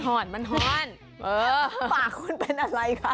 หมายคำความปลอดภัย